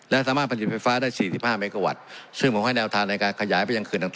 และสามารถผลิตไฟฟ้าได้๔๕เมกาวัตต์ซึ่งผมให้แนวทางในการขยายไปยังเขื่อนต่าง